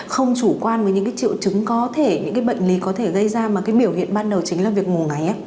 không chủ quan với những triệu chứng có thể những bệnh lý có thể gây ra mà biểu hiện ban đầu chính là việc ngủ ngáy